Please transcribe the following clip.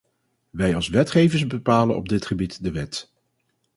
Wij als wetgevers bepalen op dit gebied de wet.